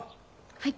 はい。